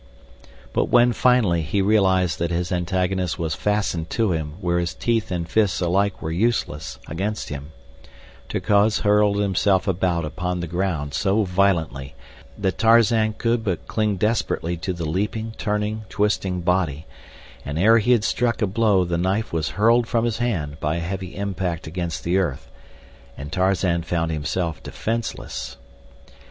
But when, finally, he realized that his antagonist was fastened to him where his teeth and fists alike were useless against him, Terkoz hurled himself about upon the ground so violently that Tarzan could but cling desperately to the leaping, turning, twisting body, and ere he had struck a blow the knife was hurled from his hand by a heavy impact against the earth, and Tarzan found himself defenseless.